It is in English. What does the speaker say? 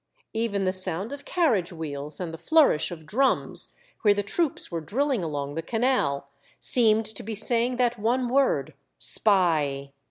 Even the sound of carriage wheels and the flourish of drums, where the troops were drilling along the canal, seemed to be saying that one word *' Spy